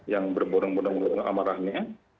yang berborong bodong borong amarahnya